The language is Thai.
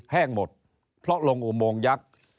แห้งหมดเพราะลงอุโมงยักษ์